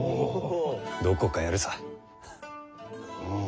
どこかやるさ。